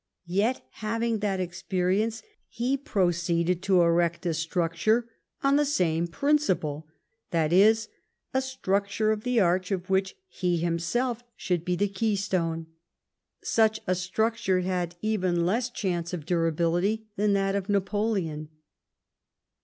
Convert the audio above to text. Yet, having that experience, he proceeded to erect a structure on the same principle ; that is, a structure of the arch of which he him self should be the keystone. Such a structure had even less chance of durability than that of Napoleon.